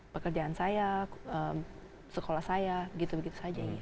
pekerjaan saya sekolah saya gitu begitu saja